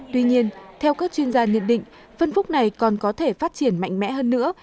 tuy nhiên theo các chuyên gia nhận định phân khúc này còn có thể phát triển mạnh mẽ hơn nữa